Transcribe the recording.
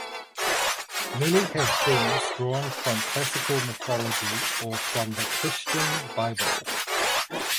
Many have themes drawn from classical mythology or from the Christian bible.